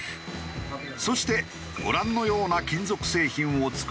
そしてご覧のような金属製品を作り上げる。